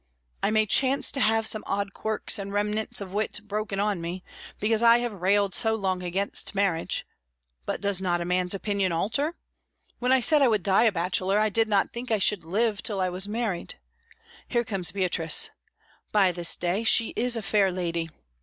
I may chance to have some odd quirks and remnants of wit broken on me, because I have railed so long against marriage; but does not a man's opinion alter?... When I said I would die a bachelor, I did not think I should live till I was married. Here comes Beatrice. By this day, she is a fair lady!